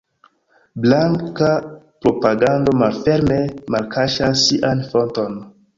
Blanka propagando malferme malkaŝas sian fonton.